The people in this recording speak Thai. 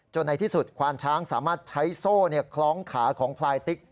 ในที่สุดควานช้างสามารถใช้โซ่คล้องขาของพลายติ๊ก